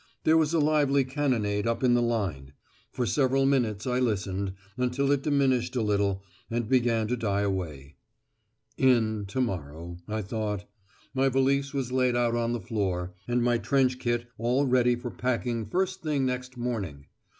There was a lively cannonade up in the line; for several minutes I listened, until it diminished a little, and began to die away. "In" to morrow, I thought. My valise was laid out on the floor, and my trench kit all ready for packing first thing next morning.